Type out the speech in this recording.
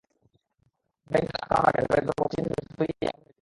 Container আটকানোর আগে ভেতরে যতটুকু অক্সিজেন ছিল সেটুকু দিয়েই আবু তাহের বেঁচেছিলেন।